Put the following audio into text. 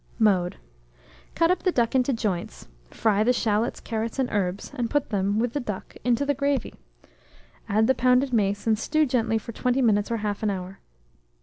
Mode. Cut up the duck into joints, fry the shalots, carrots, and herbs, and put them, with the duck, into the gravy; add the pounded mace, and stew gently for 20 minutes or 1/2 hour.